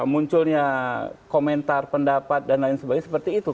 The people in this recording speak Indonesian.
munculnya komentar pendapat dan lain sebagainya seperti itu